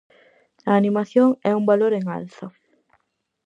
A animación é un valor en alza.